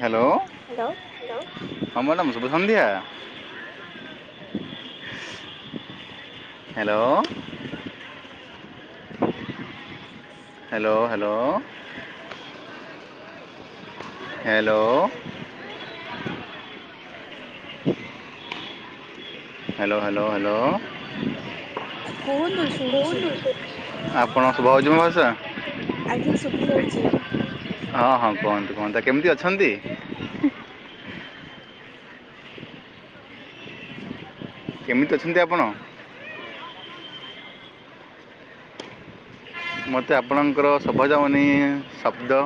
Hello hello. ଆମର ନାମ ଶଭସନ୍ଧ୍ୟଆ hello hello hello hello hello hello hello କୁହନ୍ତୁ ଶୁଣୁଛି ଆପଣ ସଭାଉଛି ମ ଭଷା ଆଜ୍ଞା ଶୁଭା ଯାଉଛି ହଁ ହଁ କୁହନ୍ତୁ କୁହନ୍ତା କେମିତି ଅଛନ୍ତି କେମିତି ଅଛନ୍ତି ଆପଣ ମୋତେ ଆପଣଙ୍କର ସଭଜାମନୀ ଶବ୍ଦ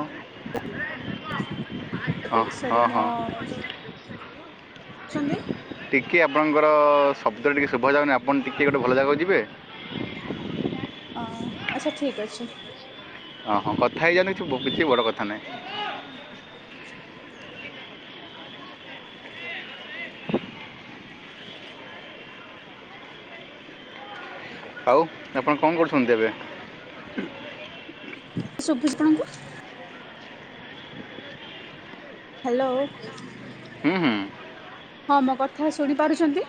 ହଁ ସରି ହଁ ମୋ ହଁ ଛନ୍ତି ଟିକିଏ ଆପଣଙ୍କର ଶବ୍ଦ ଟିକେ ଶୁଭାଯାଉନି ଆପଣ ଟିକିଏ ଗୋଟେ ଭଲ ଜାଗାକୁ ଯିବେ? ଆଚ୍ଛା ଠିକ୍ ଅଛି। ଓ ହଁ କଥା ହେଇ ଯାଆନ୍ତୁ କିଛି ବଡ କଥା ନାହିଁ। ଆଉ ଆପଣ କଣ କରୁଛନ୍ତି ଏବେ? ଶୁଭୁଚି ତମକୁ? ହ୍ୟାଲୋ ହୁଁ ହୁଁ ହଁ ମୋ କଥା ଶୁଣିପାରୁଛନ୍ତି?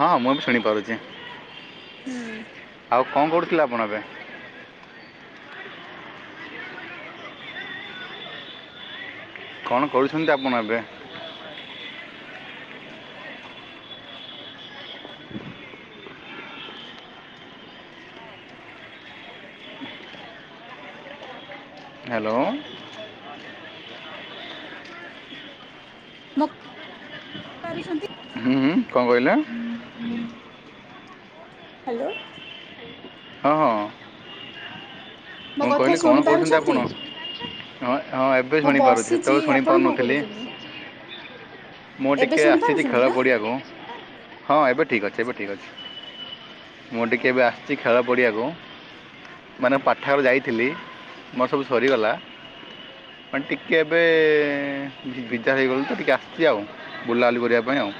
ହଁ ମୁଁ ବି ଶୁଣିପାରୁଛି। ହୁଁ। ଆଉ କଣ କରୁଥିଲେ ଆପଣ ଏବେ? କଣ କରୁଛନ୍ତି ଆପଣ ଏବେ? ହ୍ୟାଲୋ। ମୋ ପାରୁଛନ୍ତି? ହୁଁ-ହୁଁ କଣ କହିଲେ? ହ୍ୟାଲୋ। ହଁ-ହଁ। ମୋ ମୁଁ କଥା କହିଲି କଣ ଶୁଣି କହୁଛନ୍ତି ପାରୁଛନ୍ତି? ଆପଣ? ହଁ-ହଁ ଏବେ ମୁଁ ଶୁଣି ପାରୁଛି ବସିଛି ସେତେବେଳେ ଶୁଣି ଆପଣ କଣ ପାରୁନଥିଲି। କରୁଛନ୍ତି ମୁଁ ଏବେ ଟିକେ ଶୁଣି ଆସିଛି ପାରୁଛନ୍ତି ଖେଳ ନା? ପଡ଼ିଆକୁ। ହଁ ଏବେ ଠିକ୍ ଅଛି ଏବେ ଆଚ୍ଛା ଠିକ୍ ଅଛି ମୁଁ ଟିକେ ଏବେ ଆସିଚି। ଖେଳ ପଡ଼ିଆକୁ ମାନେ ପାଠାଗାର ଯାଇଥିଲି ମୋର ସବୁ ସରିଗଲା। ମାନେ ଟିକେ ଏବେ ବି ବିଦା ହେଇଗଲୁ ତ ଟିକେ ଆସିଚି ଆଉ। ବୁଲାବୁଲି କରିବା ପାଇଁ ଆଉ।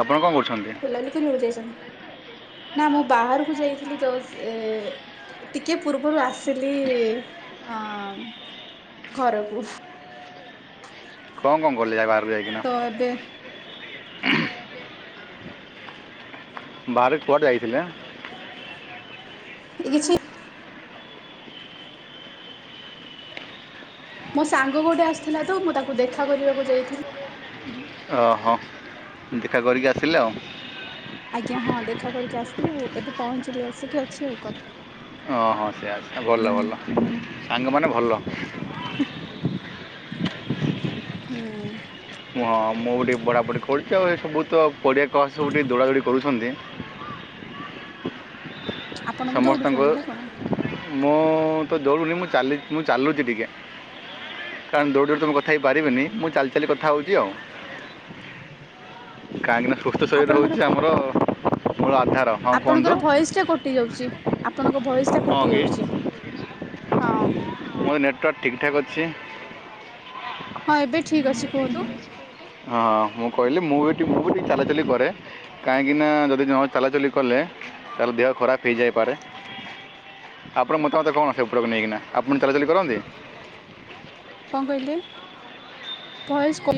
ଆପଣ କଣ କରୁଛନ୍ତି? ବୁଲାବୁଲି କରିବାକୁ ଯାଇଛନ୍ତି। ନା ମୁଁ ବାହାରକୁ ଯାଇଥିଲି ତ ସେ ଟିକେ ପୂର୍ବରୁ ଆସିଲି ଅ ଘରକୁ। କଣ କଣ କଲେ ଯାଇ ବାହା ତ ଏବେ ବାହାରେ କୁଆଡେ ଯାଇଥିଲେ? ଏ କିଛି ମୋ ସାଙ୍ଗ ଗୋଟେ ଆସିଥିଲା ତ ମୁଁ ତାକୁ ଦେଖା କରିବାକୁ ଯାଇଥିଲି। ଅ ହ ଦେଖା କରିକି ଆସିଲେ ଆଉ। ଆଜ୍ଞା ହଁ ଦେଖା କରିକି ଆସିଲି ଆଉ ଏବେ ପହଞ୍ଚିଲି ଆସିକି ଅଛି ଆଉ କଥା ହଁ-ହଁ ସେୟା ସେୟା ଭଲ ଭଲ ସାଙ୍ଗମାନେ ଭଲ। ହୁଁ। ମୁଁ-ମୁଁ ବି ଟିକେ ଏଢ଼ାପଢ଼ି କରୁଛି ଆଉ ଏ ସବୁ ତ ପଡ଼ିଆ ରେ ସବୁ ଟିକେ ଦୌଡ଼ାଦୌଡ଼ି କରୁଛନ୍ତି। ଆପଣ ବି ସମସ୍ତଙ୍କୁ ଦୌଡୁଛନ୍ତି ନା କଣ ମୁଁ ତ ଦୌଡ଼ୁନି ମୁଁ ଚାଲି ମୁଁ ଚାଲୁଛି ଟିକେ। କାରଣ ଦୌଡ଼ି-ଦୌଡି ତ ମୁଁ କଥା ହୋଇପାରିବିନି, ମୁଁ ଚାଲି ଚାଲି କଥା ହେଉଛି ଆଉ। କାହିଁକିନା ସୁସ୍ଥ ଶରୀର ଆପଣଙ୍କର ହେଉଛି ଆମର ମୂଳ ଆଧାର ହଁ କୁହନ୍ତୁ ଆପଣଙ୍କର ଭଏସ୍ ଟା ଗୋ କଟି ଯାଉଛି ଆପଣଙ୍କ ଭଏସଟା ହଁ କି କଟିଯାଉଛି ହଁ। ମୋର ନେଟୱାର୍କ ଠିକ୍ଠାକ୍ ଅଛି। ହଁ ଏବେ ଠିକ୍ ଅଛି କୁହନ୍ତୁ। ହଁ ମୁଁ କହିଲି ମୁଁ ଏଠି ମୁଁ ବି ଟିକେ ଚାଲାଚଲି କରେ। କାହିଁକିନା ଯଦି ନ ଚାଲାଚଲି କଲେ ତାହେଲେ ଦେହ ଖରାପ ହେଇଯାଇପାରେ। ଆପଣଙ୍କ ମତା ମତ କଣ ଆସେ ଉପରକୁ ନେଇକିନା ଆପଣ ଚଲାଚଲି କରନ୍ତି? କଣ କହିଲେ ଭଏସ୍ କ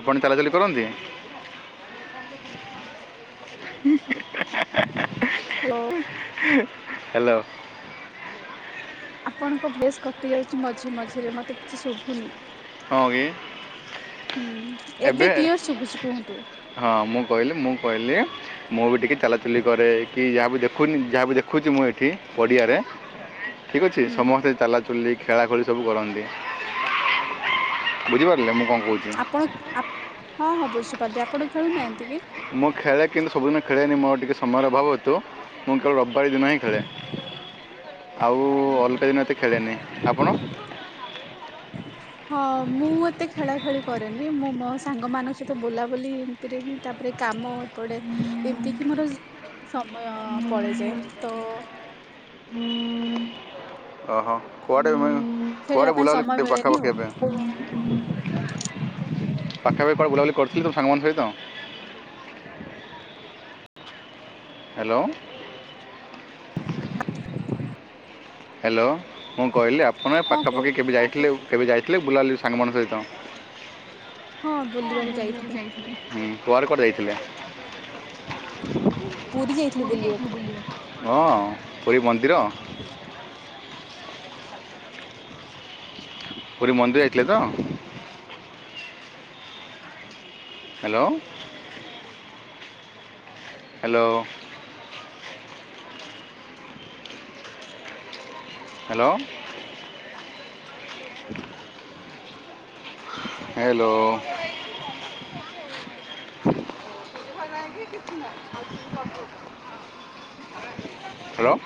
ଆପଣ ଚାଲାଚଲି କରନ୍ତି? ହୁଁ। ହାଲୋ। ହାଲୋ। ଆପଣଙ୍କ ଭଏସ୍ କଟି ଯାଉଛି ମଝିରେ ମଝିରେ ମତେ କିଛି ଶୁଭୁନି। ହଁ ଆ କି। ହୁଁ ଏବେ କ୍ଲିଅର ଶୁଭୁଛି କୁହନ୍ତୁ। ହଁ ମୁଁ କହିଲି ମୁଁ କହିଲି ମୁଁ ବି ଟିକିଏ ଚାଲାଚୁଲି କରେ କି ଯାହାବି ଦେଖୁନି ଯାହା ବିି ଦେଖୁଛି ମୁଁ ଏଠି ପଡ଼ିଆରେ ହୁଁ। ଠିକ୍ ଅଛି ସମସ୍ତେ ଚାଲାଚୁଲି ଖେଳାଖେଳି ସବୁ କରନ୍ତି। ବୁଝିପାରିଲେ ମୁଁ କ'ଣ ଉ କହୁଛି ହୁଁ ଆପଣ ହଁ ହଁ ବୁଝିପାରନ୍ତି ଆପଣ ଖେଳୁନାହାନ୍ତି କି। ମୁଁ ଖେଳେ କିନ୍ତୁ ସବୁଦିନ ଖେଳେନି ମୋର ଟିକେ ସମୟର ଅଭାବ ହେତୁ ମୁଁ କେବଳ ରବିବାର ଦିନ ହିଁ ଖେଳେ। ଆଉ ଉଁ ହୁଁ ଅଲଗା ଦିନ ଏତେ ଖେଳେନି। ଆପଣ? [inaudible] ହଁ ମୁଁ ଏତେ ଖେଳା ଖେଳି କରେନି। ମୁଁ ମୋ ସାଙ୍ଗମାନଙ୍କ ସହିତ ବୁଲାବୁଲି ସେଥିରେ ହିଁ ତାପରେ କାମ ପଡ଼େ ଏମିତିକି ମୋର ମାନେ ସମୟ ପଳେଇଯାଏ। ତ ଓହୋ। କୁଆଡେ ଖେଳିବା କୁଆଡେ ପାଇଁ ସମୟ ବୁଲାବୁଲି ମିଳେନି ଆଉ ପାଖାପାଖି ଏବେ। ପାଖାପାଖି କଣ ବୁଲାବୁଲି କରୁଥିଲୁ ସାଙ୍ଗମାନଙ୍କ ସହିତ। ହ୍ୟାଲୋ। ହ୍ୟାଲୋ ମୁଁ କହିଲି ଆପଣ ହଁ କୁହ ପାଖାପାଖି କେବେ ଯାଇଥିଲେ କେବେ ଯାଇଥିଲେ ବୁଲାବୁଲି ସାଙ୍ଗମାନଙ୍କ ସହିତ। ହଁ ବୁଲିବାକୁ ଯାଇଥିଲି। କୁଆଡେ କୁଆଡେ ଯାଇଥିଲେ? ଏଇ ପୁରୀ ଯାଇଥିଲୁ ବୁଲିବାକୁ। ହଁ ପୁରୀ ମନ୍ଦିର। ପୁରୀ ମନ୍ଦିର ଯାଇଥିଲେ ତ। Hello. Hello. Hello. Hello. [inaudible] Hello.